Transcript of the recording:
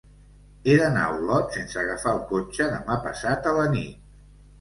He d'anar a Olot sense agafar el cotxe demà passat a la nit.